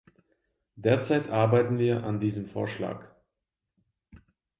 Derzeit arbeiten wir an diesem Vorschlag.